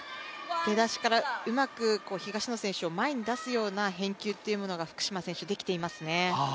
出だしからうまく東野さんを前に出すような返球が福島選手、できていますね。